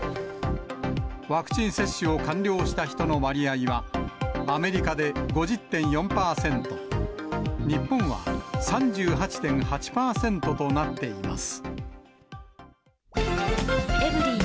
ワクチン接種を完了した人の割合は、アメリカで５０．４％、日本は３８．８％となっています。